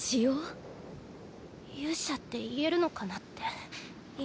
勇者って言えるのかなって今。